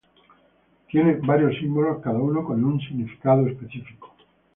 Tiene varios símbolos cada uno con un significado específico.